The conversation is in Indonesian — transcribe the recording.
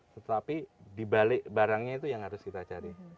tetapi dibalik barangnya itu yang harus kita cari